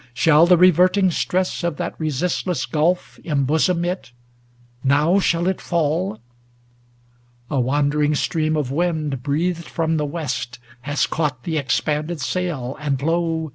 Shall the reverting stress Of that resistless gulf embosom it ? Now shall it fall ? ŌĆö A wandering stream of wind Breathed from the west, has caught the expanded sail. And, lo